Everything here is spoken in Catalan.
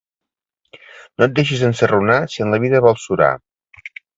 No et deixis ensarronar si en la vida vols surar.